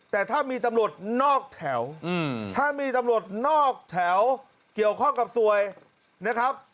แต่ถ้ามีตำรวจนอกแถวถ้ามีตำรวจนอกแถวเกี่ยวข้องกับสวยนะครับ